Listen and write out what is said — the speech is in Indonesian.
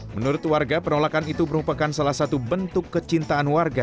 menurut warga penolakan itu merupakan salah satu bentuk kecintaan warga